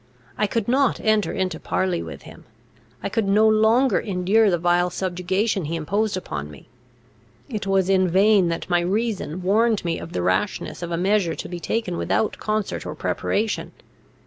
I could not enter into parley with him; I could no longer endure the vile subjugation he imposed on me. It was in vain that my reason warned me of the rashness of a measure, to be taken without concert or preparation.